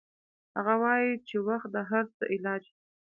هغه وایي چې وخت د هر څه علاج ده